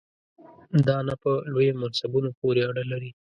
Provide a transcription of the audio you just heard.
دا نه په لویو منصبونو پورې اړه لري.